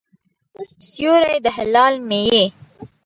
سیوری د هلال مې یې